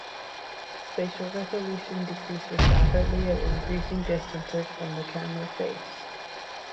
Spatial resolution decreases rapidly at increasing distances from the camera face.